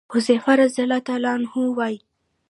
حذيفه رضي الله عنه وايي: